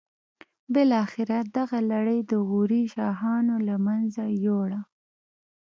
بالاخره دغه لړۍ د غوري شاهانو له منځه یوړه.